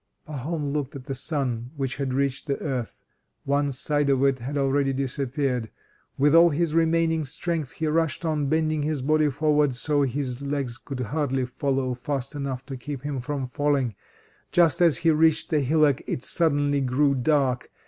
Pahom looked at the sun, which had reached the earth: one side of it had already disappeared. With all his remaining strength he rushed on, bending his body forward so that his legs could hardly follow fast enough to keep him from falling. Just as he reached the hillock it suddenly grew dark.